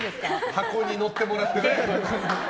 箱に乗ってもらってね。